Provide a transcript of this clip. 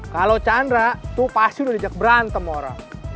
kalau chandra tuh pasti udah diajak berantem orang